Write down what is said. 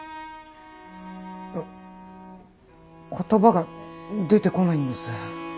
言葉が出てこないんです。